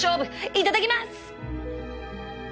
いただきます！